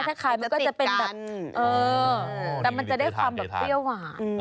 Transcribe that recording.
แต่มันจะได้ความแบบเตี้ยวหวาน